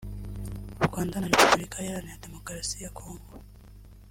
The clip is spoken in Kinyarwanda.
u Rwanda na Repubulika ihaganira Demokarasi ya Congo